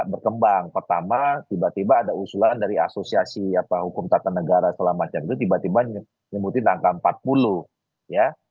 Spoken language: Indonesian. berkembang pertama tiba tiba ada usulan dari asosiasi hukum tata negara segala macam itu tiba tiba nyebutin angka empat puluh ya